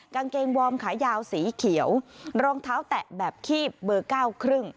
กางเกงวอร์มขายาวสีเขียวรองเท้าแตะแบบขี้เบอร์๙๕